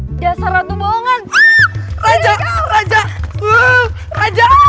raja aku ratumu bukan dia raja